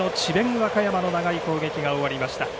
和歌山の長い攻撃が終わりました。